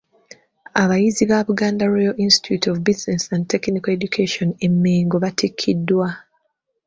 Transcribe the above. Abayizi ba Buganda royal Institute of business and technical education e Mengo batikkiddwa.